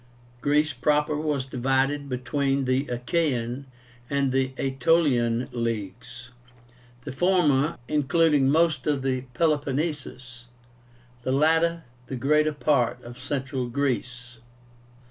GREECE proper was divided between the ACHAEAN and AETOLIAN LEAGUES, the former including the most of the Peloponnesus, the latter the greater part of Central Greece.